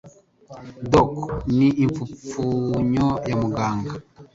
"Doc" ni impfunyapfunyo ya "muganga".